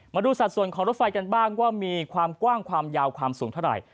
มาดูสัดส่วนของรถไฟกันบ้างว่ามีความกว้างความยาวความสูงเท่าไหร่